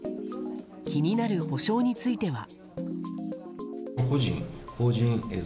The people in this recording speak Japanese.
気になる補償については。